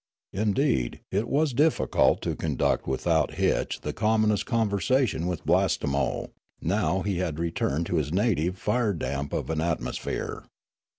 Indeed, it was difficult to conduct without hitch the commonest conversation with Blastemo, now he had returned to his native fire damp of an atmosphere.